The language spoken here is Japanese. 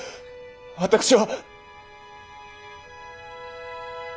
私は！